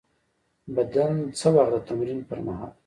بدن څه وخت د تمرین پر مهال